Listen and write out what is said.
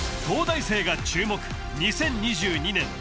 東大生が注目２０２２年